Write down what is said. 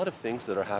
để nâng cấp